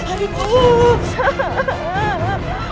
aduh aduh aduh